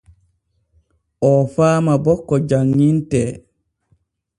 Oo faama bo ko janŋintee.